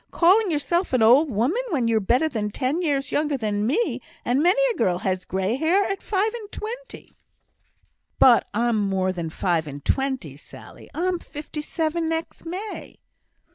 "Calling yoursel' an old woman when you're better than ten years younger than me! and many a girl has grey hair at five and twenty." "But I'm more than five and twenty, Sally. I'm fifty seven next May!"